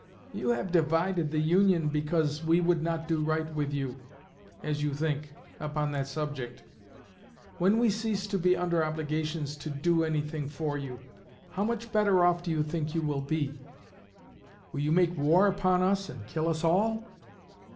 You have divided the Union because we would not do right with you, as you think, upon that subject; when we cease to be under obligations to do anything for you, how much better off do you think you will be? Will you make war upon us and kill us all?